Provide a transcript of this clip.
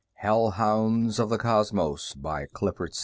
_] Hellhounds of the Cosmos By Clifford D.